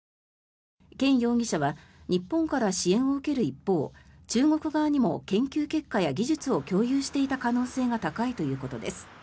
ケン容疑者は日本から支援を受ける一方中国側にも研究結果や技術を共有していた可能性が高いということです。